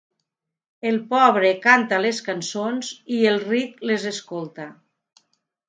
El pobre canta les cançons i el ric les escolta.